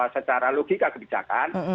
secara logika kebijakan